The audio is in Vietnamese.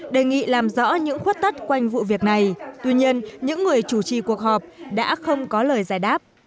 đề nghị làm rõ những khuất tất quanh vụ việc này tuy nhiên những người chủ trì cuộc họp đã không có lời giải đáp